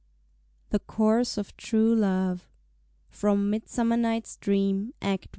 THE COURSE OF TRUE LOVE. FROM "MIDSUMMER NIGHT'S DREAM," ACT I.